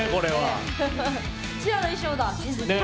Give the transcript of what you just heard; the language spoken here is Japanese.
チアの衣装だ。